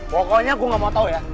pokoknya gue gak mau tau ya